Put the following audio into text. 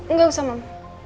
enggak usah mam